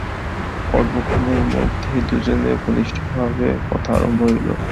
অল্পক্ষণের মধ্যেই দুজনে ঘনিষ্ঠভাবে কথা আরম্ভ হইল।